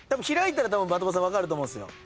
開いたら的場さん分かると思うんですよ。